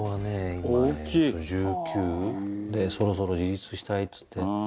今ね１９でそろそろ自立したいっつって。